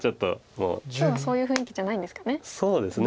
今日はそういう雰囲気じゃないんですかね。